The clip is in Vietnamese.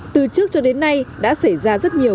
từ trước cho đến nay đã xảy ra rất nhiều